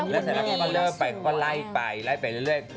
แล้วเสร็จแล้วก็เล่าไปก็ไล่ไปเรื่อย